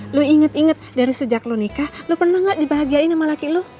lo inget inget dari sejak lu nikah lo pernah gak dibahagiain sama laki lu